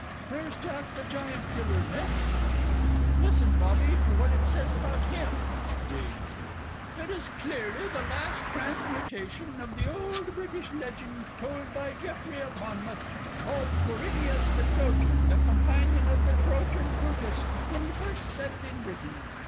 Here's Jack the Giant Killer, next. Listen, Bobby, to what it says about him here. (Reads.) "It is clearly the last transmutation of the old British legend told by Geoffrey of Monmouth, of Corineus, the Trojan, the companion of the Trojan Brutus, when he first settled in Britain.